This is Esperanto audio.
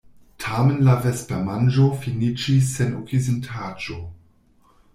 Tamen la vespermanĝo finiĝis sen okazintaĵo.